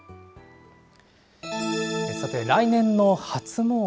さて、来年の初詣。